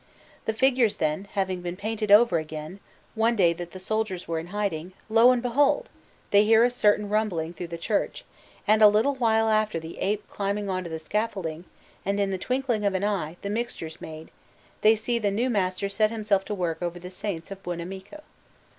The figures, then, having been painted over again, one day that the soldiers were in hiding, lo and behold! they hear a certain rumbling through the church, and a little while after the ape climbing on to the scaffolding; and in the twinkling of an eye, the mixtures made, they see the new master set himself to work over the saints of Buonamico.